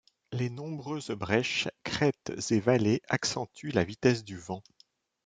Les nombreuses brèches, crêtes et vallées accentuent la vitesse du vent.